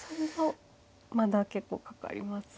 まだ結構かかりますね。